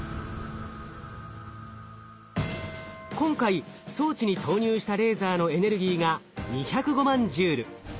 今回装置に投入したレーザーのエネルギーが２０５万ジュール。